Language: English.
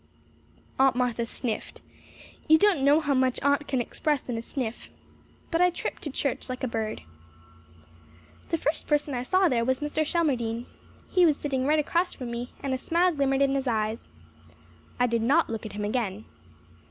Aunt Martha sniffed. You don't know how much Aunt can express in a sniff. But I tripped to church like a bird. The first person I saw there was Mr. Shelmardine. He was sitting right across from me and a smile glimmered in his eyes. I did not look at him again.